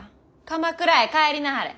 鎌倉へ帰りなはれ。